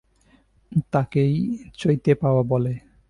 তাকেই চৈতে পাওয়া বলে।